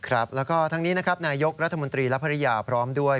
ครับแล้วก็ทั้งนี้นะครับนายกรัฐมนตรีและภรรยาพร้อมด้วย